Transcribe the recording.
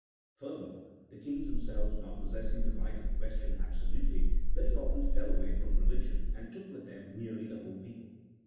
Furthermore, the kings them selves, not possessing the right in question absolutely, very often fell away from religion and took with them nearly the whole people.